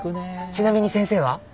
ちなみに先生は？